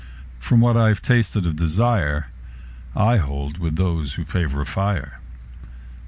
From what I've tasted of desireI hold with those who favor fire.